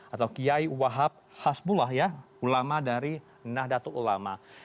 atau kiai wahab hasbullah ya ulama dari nahdlatul ulama